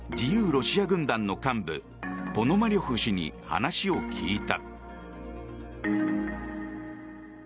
ロシア軍団の幹部ポノマリョフ氏に話を聞いた。